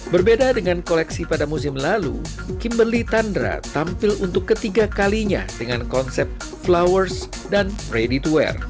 berbeda dengan koleksi pada musim lalu kimberly tandra tampil untuk ketiga kalinya dengan konsep flowers dan ready to wear